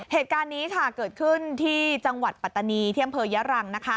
เหตุการณ์นี้เกิดขึ้นที่จังหวัดปัตตานีที่อำเภอยะรัง